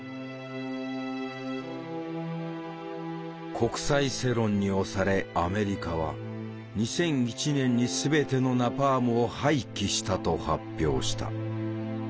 国際世論に押されアメリカは「２００１年に全てのナパームを廃棄した」と発表した。